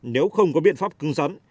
nếu không có biện pháp cưng dẫn